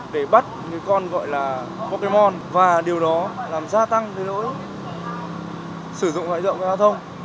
để bắt những con gọi là pokemon và điều đó làm gia tăng cái lỗi sử dụng loại dựng của loại thông